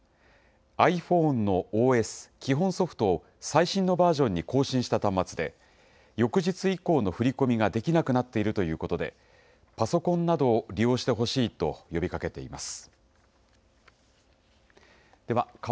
ｉＰｈｏｎｅのＯＳ・基本ソフトを最新のバージョンに更新した端末で、翌日以降の振り込みができなくなっているということで、パソコンなどを利用してほしいと呼びかけています。